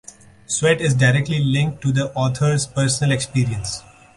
"Sweat" is directly linked to the author's personal experience.